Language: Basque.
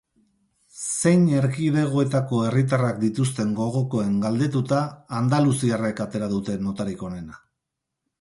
Zein erkidegoetako herritarrak dituzten gogokoen galdetuta, andaluziarrek atera dute notarik onena.